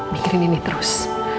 mikirin ini terus